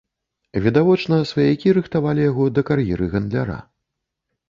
Відавочна, сваякі рыхтавалі яго да кар'еры гандляра.